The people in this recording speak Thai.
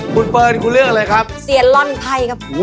คุณเปิร์นคุณเลือกอะไรครับ